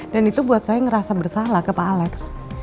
itu buat saya ngerasa bersalah ke pak alex